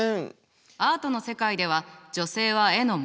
アートの世界では女性は絵のモデル。